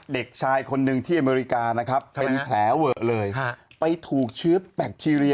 เด็กชายคนหนึ่งที่อเมริกานะครับเป็นแผลเวอะเลยไปถูกเชื้อแบคทีเรีย